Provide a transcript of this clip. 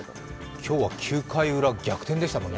今日は９回ウラ、逆転でしたもんね。